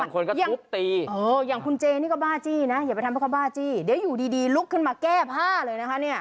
คนก็ทุบตีอย่างคุณเจนี่ก็บ้าจี้นะอย่าไปทำให้เขาบ้าจี้เดี๋ยวอยู่ดีลุกขึ้นมาแก้ผ้าเลยนะคะเนี่ย